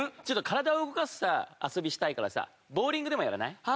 ちょっと体を動かすさ遊びしたいからさボウリングでもやらない？